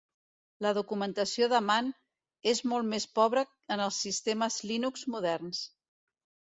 La documentació de man és molt més pobra en els sistemes Linux moderns.